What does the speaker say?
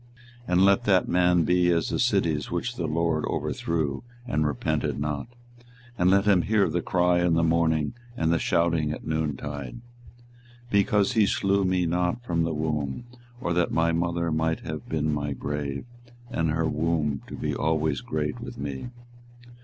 24:020:016 And let that man be as the cities which the LORD overthrew, and repented not: and let him hear the cry in the morning, and the shouting at noontide; 24:020:017 Because he slew me not from the womb; or that my mother might have been my grave, and her womb to be always great with me.